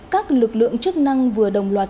các lực lượng chức năng vừa đồng loạt